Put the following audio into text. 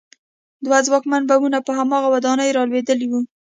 دوه ځواکمن بمونه په هماغه ودانۍ رالوېدلي وو